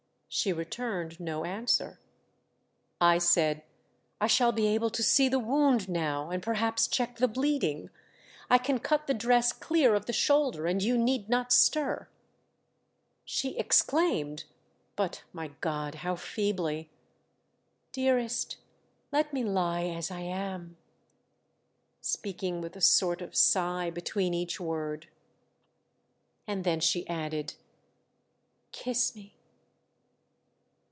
'*" She returned no answer. 50d THE DEATH SHIP. I said " I shall be able to see the wound now, and perhaps check the bleeding. I can cut the dress clear of the shoulder and you need not stir." She exclaimed — but, my God, how feebly !—" Dearest, let me lie as I am," speaking with a sort of sigh between each word. And then she added, " Kiss me."